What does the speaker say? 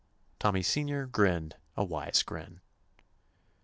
Tommy Senior grinned a wise grin.